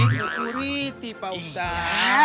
pak sri kiti pak ustaz